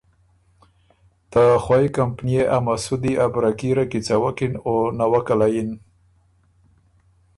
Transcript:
ته خوئ کمپنيې ا مسُودی ا بره کي ره کیڅوکِن او نوَکه له یِن۔